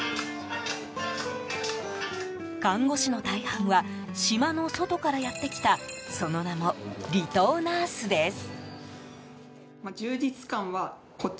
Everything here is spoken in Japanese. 看護師の大半は島の外からやってきたその名も離島ナースです。